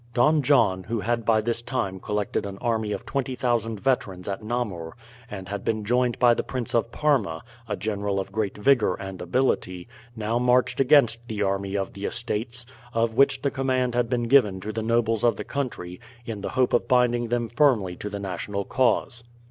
Don John, who had by this time collected an army of 20,000 veterans at Namur, and had been joined by the Prince of Parma, a general of great vigour and ability, now marched against the army of the Estates, of which the command had been given to the nobles of the country in the hope of binding them firmly to the national cause.